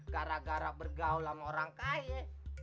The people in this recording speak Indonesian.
gara gara bergaulan orang kaya